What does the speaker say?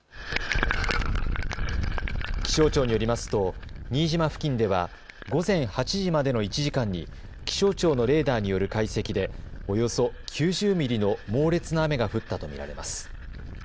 気象庁によりますと新島付近では午前８時までの１時間に気象庁のレーダーによる解析でおよそ９０ミリの猛烈な雨が降ったと見られます。